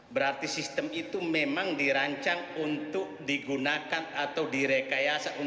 berarti sistem itu memang dirancang untuk digunakan atau direkayasa